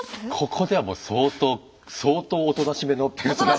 ここではもう相当相当おとなしめのペルソナ。